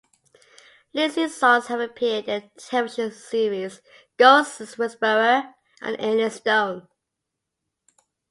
Lindsey's songs have appeared in the television series "Ghost Whisperer" and "Eli Stone".